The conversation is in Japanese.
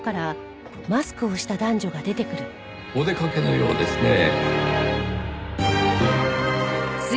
お出かけのようですねぇ。